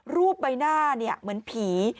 รูปใบหน้าเหมือนผี